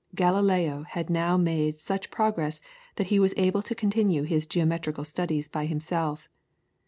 Galileo had now made such progress that he was able to continue his geometrical studies by himself.